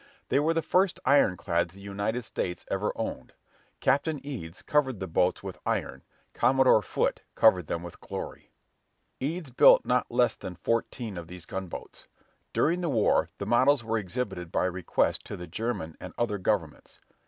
They were the first ironclads the United States ever owned. Captain Eads covered the boats with iron: Commodore Foote covered them with glory. Eads built not less than fourteen of these gunboats. During the war, the models were exhibited by request to the German and other governments.